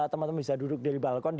teman teman bisa duduk di balkon